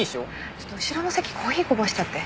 ちょっと後ろの席コーヒーこぼしちゃって。